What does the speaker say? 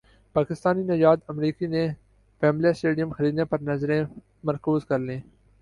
پاکستانی نژاد امریکی نے ویمبلے اسٹیڈیم خریدنے پر نظریں مرکوز کر لیں